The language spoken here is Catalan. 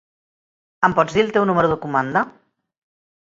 Em pots dir el teu número de comanda?